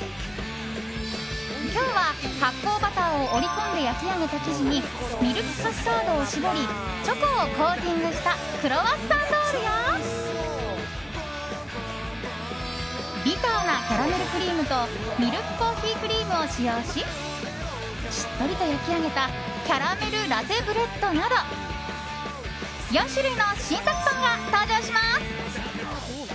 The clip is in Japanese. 今日は発酵バターを折り込んで焼き上げた生地にミルクカスタードを絞りチョコをコーティングしたクロワッサンロールやビターなキャラメルクリームとミルクコーヒークリームを使用ししっとりと焼き上げたキャラメルラテブレッドなど４種類の新作パンが登場します。